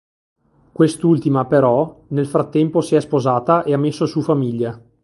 Quest'ultima però, nel frattempo si è sposata e ha messo su famiglia.